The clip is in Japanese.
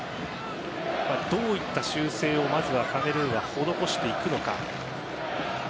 どういった修正をまずはカメルーンは施していくのか。